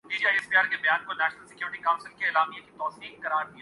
تو مرے ساتھیوں کی یاد پھرآتی ہے۔